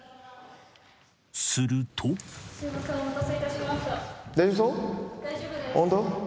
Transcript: すると本当？